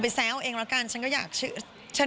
เธอไปแซวเองแล้วกันฉันก็อยากชื่อ